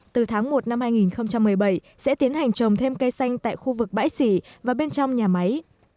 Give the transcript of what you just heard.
từ tháng một năm hai nghìn một mươi bảy sẽ tiến hành trồng thêm cây xanh tại khu vực bãi xỉ và bên trong nhà máy